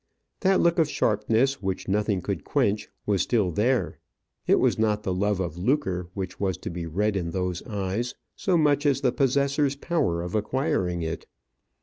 That look of sharpness, which nothing could quench, was still there. It was not the love of lucre which was to be read in those eyes, so much as the possessor's power of acquiring it.